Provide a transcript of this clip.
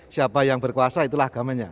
siapa yang berkuasa itulah agamanya